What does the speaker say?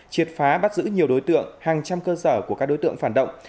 triệt phá bắt giữ nhiều đối tượng hàng trăm cơ sở của các đối tượng phản động